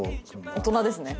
大人ですね。